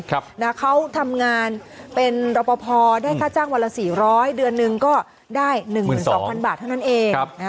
ครับนะเขาทำงานเป็นรพพอได้ค่าจ้างวันละสี่ร้อยเดือนหนึ่งก็ได้หนึ่งสองพันบาทเท่านั้นเองครับ